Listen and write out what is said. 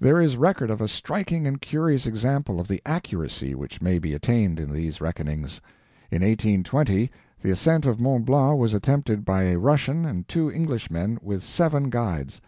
There is record of a striking and curious example of the accuracy which may be attained in these reckonings. In 1820 the ascent of Mont Blanc was attempted by a Russian and two Englishmen, with seven guides.